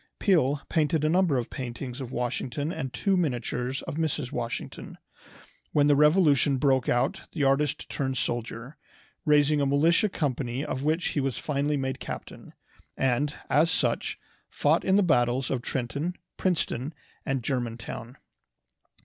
Peale painted a number of paintings of Washington and two miniatures of Mrs. Washington. When the Revolution broke out the artist turned soldier, raising a militia company of which he was finally made captain, and, as such, fought in the battles of Trenton, Princeton, and Germantown.